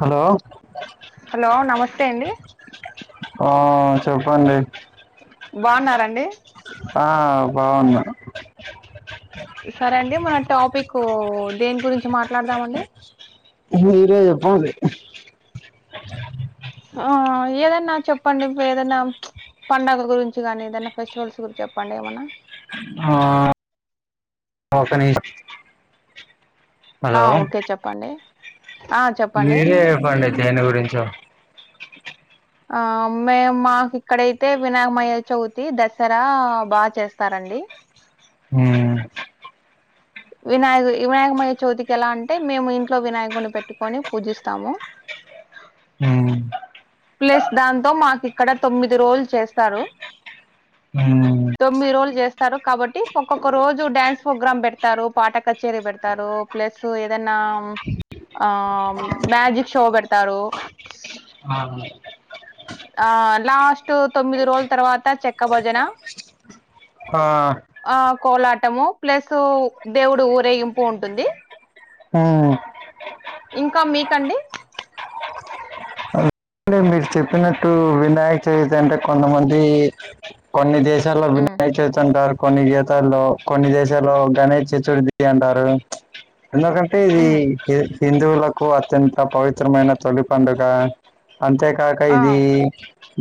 Hello hello నమస్తే అండి ఆ చెప్పండి బాగున్నరండి ఆ బాగున్న సరే అండి మన టాపిక్ దేని గురించి మాట్లాడదామండి మీరే చెప్పలి ఆ ఏదన్నా చెప్పండి ఏదన్నా ప్చ్ పండగల గురించి కాగానీ ఏదైనా ఫెస్టివల్స్ గురించి చెప్పండి ఏమన్నా ఆ ఒక నిష్ ఆ హలో ఓకే చెప్పండి ఆ చెప్పండి మీరే చెప్పండి దేని గురించో ఆ మేము మాకు ఇక్కడైతే వినామయ చవితి దసరా బాగా చేస్తారండి ఊ వినాయక వినాయకమయ చవితికి ఎలా అంటే మేము ఇంట్లో వినాయకుడిని పెట్టుకొని పూజిస్తాము ఊ ప్లస్ దాంతో మాకు ఇక్కడ తొమ్మిది రోజులు చేస్తారు ఊ తొమ్మిది రోజులు చేస్తారు కాబట్టి ఒక్కొక్క రోజు డ్యాన్స్ ప్రోగ్రామ్ పెడతారు పాట కచేరీ పెడతారు ప్లస్ ఏదైనా ఆ మ్యాజిక్ షో పెడతారు ఆహ ఆ లాస్ట్ తొమ్మిది రోజుల తర్వాత చెక్క భోజన ఆ ఆ కోలాటము ప్లస్ దేవుడు ఊరేగింపు ఉంటుంది ఊ ఇంకా మీకండి టె మీరు చెప్పినట్టు వినాయక చవితి అంటే కొంతమంది కొన్ని దేశ యాల ఉమ్, వినయా చవితంటారు కొన్ని గీతాల్లో కొన్ని దేశాల్లో గణేష్ చతుర్థి అంటారు ప్చ్ ఎందుకంటే ఇది ఉమ్, హిందువులకు అత్యంత పవిత్రమైన తొలి పండుగ అంతే కాక ఆ ఇది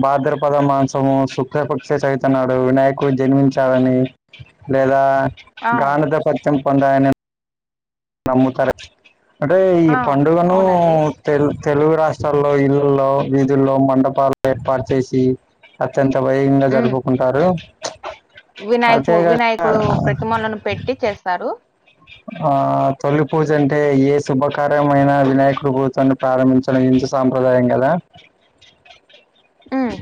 భాద్రపద మాసము శుక్రపక్ష చవితి నాడు వినాయకుడు జన్మించాడని లేదా ఆ గాణదపత్యం పొంద అని నమ్ముతార అంటే ఈ ఆ పండుగను అవునండి తెలు తెలుగు రాష్ట్రాల్లో ఇళ్లలో వీధుల్లో మండపాలు ఏర్పాటు చేసి అత్యంత వయంగా ఉమ్, జరుపుకుంటారు వినాయకు అంతేకాక వినాయకుడు ప్రతిమలను పెట్టి చేస్తారు ఆ తొలి పూజ అంటే ఏ శుభకారమైనా వినాయకుడు కుతను ప్రారంభించడం ఇంతు సాంప్రదాయం గల ఉమ్,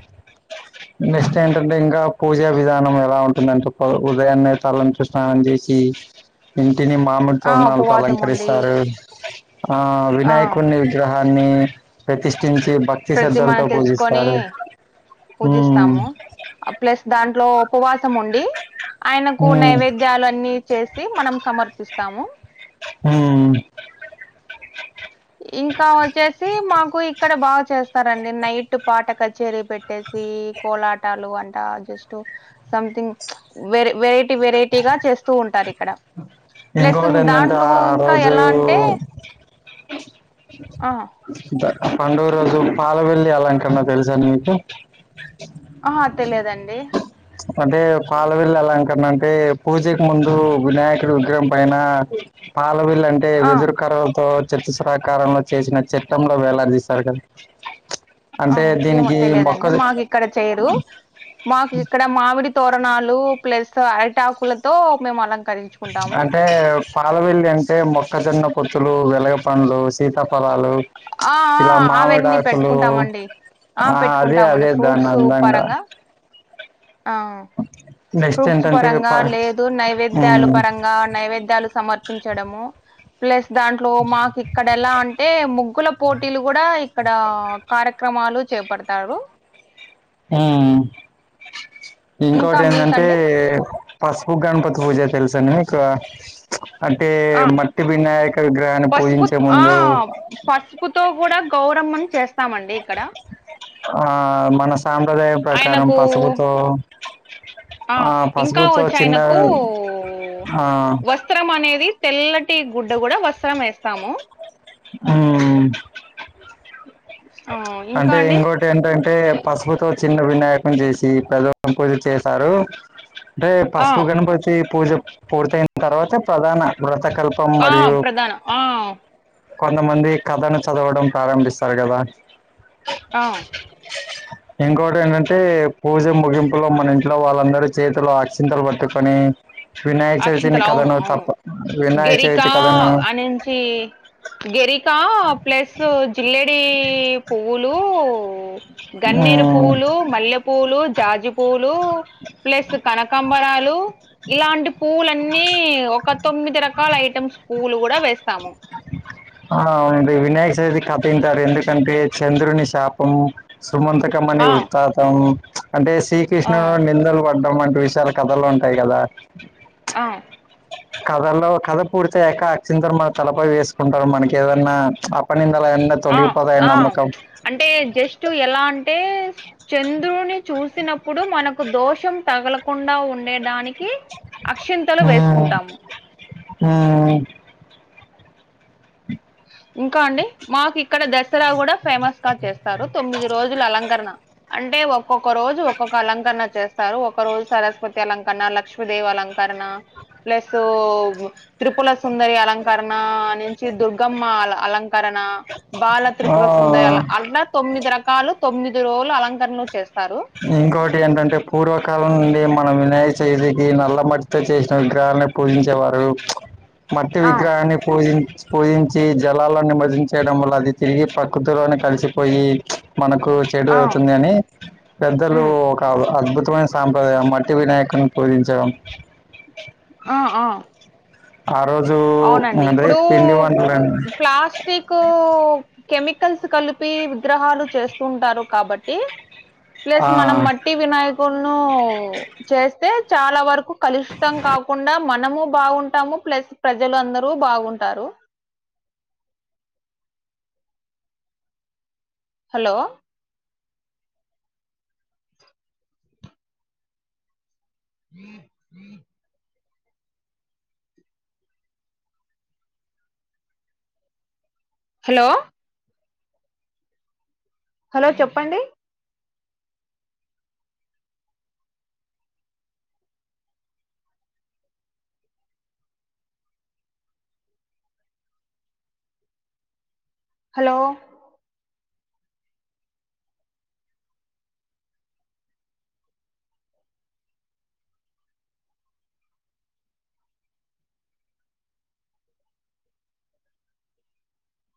నెక్స్ట్ ఏంటంటే ఇంకా పూజా విధానం ఎలా ఉంటుందంటే ఉదయాన్నే తలంచి స్నానం చేసి ఇంటిని మామిడి ఆ తోరణాలతో ఉపవాసం ఉండి అలంకరిస్తారు ఆ ఆ వినాయకుడిని విగ్రహాన్ని ప్రతిష్ఠించి భక్ తి ప్రతిమను శ్రద్దలతో తెచ్చుకొని పూజిస్తారు. పూజిస్తాము ప్లస్ దాంట్లో ఉపవాసముండి ఆయనకు ఉమ్, నైవేద్యాలు అన్నీ చేసి మనం సమర్పిస్తాము. హుమ్ ఇంకా వచ్చేసి మాకు ఇక్కడ బాగా చేస్తారండి నైట్ పాట కచేరీ పెట్ పెట్టేసి కోలాటాలు అంటా జస్ట్ సంథింగ్ వెర వెరైటీ వెరైటీగా చేస్తూ ఉంటారు ఇక్కడ. ప్లస్ ఇంకొకటి ఏంటంటే దాంట్లో ఆ ఆ ఇంకా రోజు ఎలా అంటే సే ఆ పండుగ రోజు పాలవెెల్లి అలాంటన్నా తెలుసా నీకు ఆ తెలియదండి అంటే పాలవెల్లి అలంకరణ, అంటే పూజకు ముందు వినాయకుడి విగ్రహం పైన పాలవెల్లి అంటే ఆ వెదురు కర్రలతో చతుస్రాకారంలో చేసిన చట్రంలో వేలాడదీస్తారు కదా ఆ అంటే ఏమో దీనికి మొక్క తెలీదండి, మాకు ఇక్కడ చేయరు. మాకు ఇక్కడ మామిడి తోరణాలు ప్లస్ అరిటాకులతో మేము అలంకరించు అంటే పాలవెల్లి అంటే మొక్కజొన్నపొత్తులు, వెలగ పండ్లు, సీతాఫలాలు ఆ ఆ ఇలా అవన్నీ మామిడాకులు పెట్టుకుంటామండి ఆ అదే పెట్టుకుంటామండి అదే దాన్ని ఫ్రూట్స్ అందంగా పరంగా ఆ నెక్స్ట్ ప్రూట్స్ ఏంటంటే పరంగా ప- లేదూ నైవేద్యాల ఉమ్, పరంగా నైవేద్యాలు సమర్పించడము ప్లస్ దాంట్లో మాకు ఇక్కడ ఎలా అ అంటే ముగ్గుల పోటీలు కూడా ఇక్కడ కార్యక్రమాలు చేపడతారు. ఉమ్మ్ ఇంకా ఇంకోటి ఏందంటే మీకండి పసుపు గణపతి పూజ తెలుసండి మీకు అంటే ఆ మట్టి వినాయక విగ్రహాన్ని పసుపు పూజించే ఆ ముందు పసుపుతో కూడా గౌరమ్మని చేస్తామండి ఇక్కడ ఆ మన సాంప్రదాయం ప్రకారం ఆయనకు పసుపుతో ఆ ఇంకా పసుపుతో వచ్చి చిన్న ఆయనకు ఆ వస్ వస్త్రం అనేది తెల్లటి గుడ్డ కూడా వస్త్రం వేస్తాము ఉమ్మ్ ఆ ఇంకా అంటే అండి ఇంకోటి ఏంటంటే పసుపుతో చిన్న వినాయకుడిని చేసి పెద్ద పూజ చేశారు అంటే ఆ పసుపు గణపతి పూజ పూర్తయిన తర్వాత ప్రధాన వ్రతకల్పం ఆ మరియు ప్రధాన ఆ కొంతమంది కథను చదవడం ప్రారంభిస్తారు కదా అ ఇంకోటి ఏంటంటే పూజ ముగింపులో మన ఇంట్లో వాళ్ళందరూ చేతిలో అక్షింతలు పట్టుకొని వినాయక చవితిని అక్షింతలు అవును కథను అవును తప్ప వినాయక చవితి కథను ఇంచి గిరిక ప్లస్ జిల్లేడి పువ్వులు గన్నేరు ఉమ్, పువ్వులు మల్లె పూలు, జాజిపూలు ప్లస్ కనకాంబరాలు ఇలాంటి పూలన్నీ ఒక తొమ్మిది రకాల ఐటమ్స్ పూలు కూడా వేస్తాము ఆ ఉంది వినాయక చవితి కతింటారు ఎందుకంటే చంద్రుని శాపము సుమంత కమని ఆ వృత్తతం అంటే ఆ శ్రీకృష్ణుడు నిందలు పడ్డం వంటి విషయాలు కథల్లో ఉంటాయి కదా అవు కథలో కథ పూర్తి అయ్యాక అక్షింతలు మన తలపై వేసుకుంటారు మనకి ఏదన్నా అపనిందన్నా ఆ తొలిపదాయె ఆ నమకం అంటే జస్ట్ ఎలా అంటే చంద్రుని చూసినప్పుడు మనకు దోషం తగలకుండా ఉండేడానికి అక్షింతలు వేసుకుంటాము ఆ ఇంకా అండి మాకు ఇక్కడ దసరా కూడా ఫేమస్ గ చేస్తారు తొమ్మిది రోజులు అలంకరణ అంటే ఒక్కొక్క రోజు ఒక్కొక్క అలంకరణ చేస్ స్తారు ఒక రోజు సరస్వతి అలంకరణ లక్ష్మీదేవి అలంకరణ ప్లసూ త్రిపుల సుందరి అలంకరణ నించి దుర్గమ్మా అల అలంకరణా బాల త్రిపుర సుందరి ఆ అల అట్లా తొమ్మిది రకాలు తొమ్మిది రోజులు అలంకరణలు చేస్తారు ఇంకోటి ఏంటంటే పూర్వకాలం నుండి మనం వినాయ చేతికి నల్ల మట్టితో చేసిన విగ్రహాలని పూజించేవారూ మట్టి ఆ విగ్రహాన్ని పూజించ్ పూజించీ జలాల నిమజ్జనం చేయడం వల్ల అది తిరిగి ప్రకృతిలోనే కలిసిపోయ మనకు చెడు ఆ అవుతుందని పెద్దలూ ఉమ్ ఒక అద్భుతమైన సాంప్రదాయం మట్టి వినాయకుని పూజించడం ఆ ఆ ఆ రోజూ అవునండి ఇప్పుడూ ప్లాస్టికూ కెమికల్స్ కలిపీ విగ్రహాలు చేస్తుంటారు కాబట్టి ప్లస్ ఆ మనం మట్టి వినాయకున్నూ చేస్తే చాలా వరకు కలుషితం కాకుండా మనమూ బాగుంటాము ప్లస్ ప్రజలు అందరూ బాగుంటారు హలో [inaudible] హలో హలో చెప్పండి హలో